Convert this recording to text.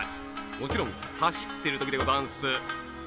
もちろんはしっているときでござんす。